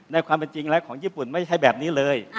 ความเป็นจริงแล้วของญี่ปุ่นไม่ใช่แบบนี้เลย